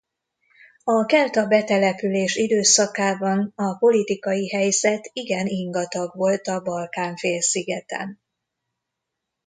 A kelta betelepülés időszakában a politikai helyzet igen ingatag volt a Balkán-félszigeten.